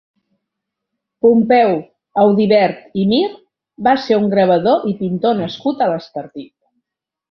Pompeu Audivert i Mir va ser un gravador i pintor nascut a l'Estartit.